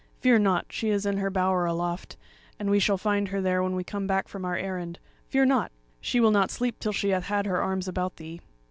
Fear not, she is in her bower aloft, and we shall find her there when we come back from our errand; fear not! she will not sleep till she hath had her arms about thee."